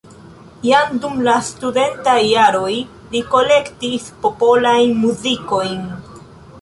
Jam dum la studentaj jaroj li kolektis popolajn muzikojn.